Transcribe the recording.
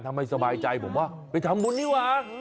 ทำให้สบายใจผมว่าไปทำบุญนี่วะ